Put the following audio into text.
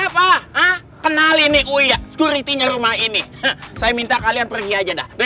butuh ini banget